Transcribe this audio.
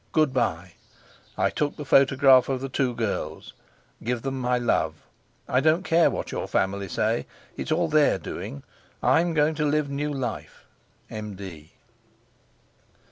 Good bye. I took the photograph of the two girls. Give them my love. I don't care what your family say. It's all their doing. I'm going to live new life. 'M.D.